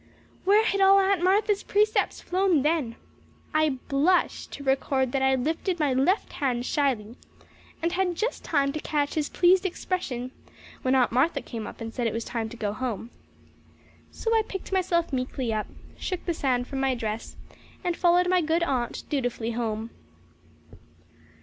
Where had all Aunt Martha's precepts flown to then? I blush to record that I lifted my left hand shyly and had just time to catch his pleased expression when Aunt Martha came up and said it was time to go home. So I picked myself meekly up, shook the sand from my dress, and followed my good aunt dutifully home.